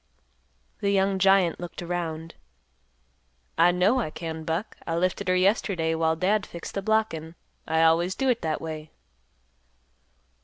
The young giant looked around; "I know I can, Buck; I lifted her yesterday while Dad fixed the blockin'; I always do it that way."